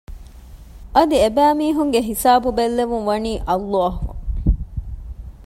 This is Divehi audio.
އަދި އެބައިމީހުންގެ ހިސާބު ބެއްލެވުން ވަނީ ﷲ